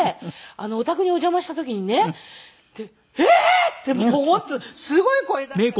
お宅にお邪魔した時にね「ええー！？」ってもう本当すごい声出しちゃって。